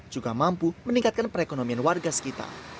juga mampu meningkatkan perekonomian warga sekitar